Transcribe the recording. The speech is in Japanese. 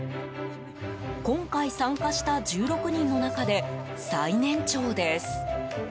今回参加した１６人の中で最年長です。